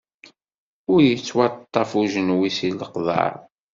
Ur ittwaṭṭaf ujenwi si leqḍaɛ.